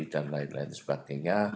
dan lain lain sebagainya